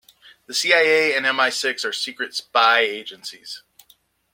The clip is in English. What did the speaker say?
The CIA and MI-Six are secret spy agencies.